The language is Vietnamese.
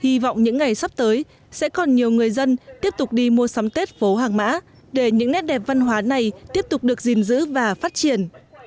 hy vọng những ngày sắp tới sẽ còn nhiều người dân tiếp tục đi mua sắm tết phố hàng mã để những nét đẹp văn hóa này tiếp tục được gìn giữ và phát triển